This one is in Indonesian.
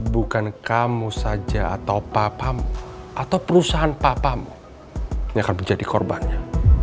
bukan kamu saja atau papamu atau perusahaan papamu yang akan menjadi korbannya